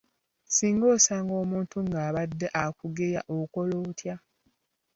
Singa osanga omuntu ng'abadde akugeya okola otya?